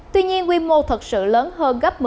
tuy nhiên quy mô thật sự lớn hơn gấp